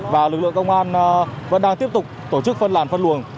và lực lượng công an vẫn đang tiếp tục tổ chức phân làn phân luồng